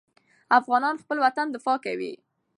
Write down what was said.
افغانان خپل وطن دفاع کوي.